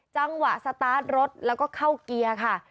สตาร์ทรถแล้วก็เข้าเกียร์ค่ะ